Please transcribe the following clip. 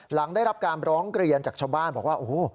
หลังได้รับการร้องเรียนจากชาวบ้านบอกว่าโอ้โห